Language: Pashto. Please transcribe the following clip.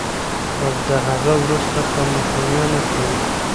او د هغه وروسته په مکروریانو کې